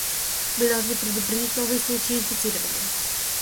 Мы должны предупредить новые случаи инфицирования.